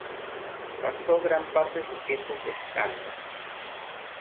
Pasó gran parte de su tiempo pescando.